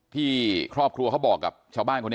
ที่ครอบครัวเขาบอกกับชาวบ้านคนนี้